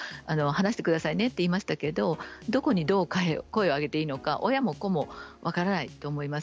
正してくださいねと言いましたけれどどこにどう声を上げればいいのか親も子も分からない。